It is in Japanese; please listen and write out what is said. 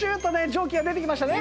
蒸気が出てきましたね。